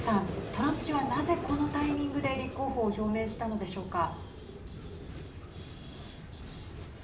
トランプ氏はなぜ、このタイミングで立候補を表明したのでしょうか。